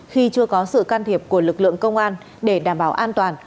khi chưa có sự can thiệp của lực lượng công an để đảm bảo an toàn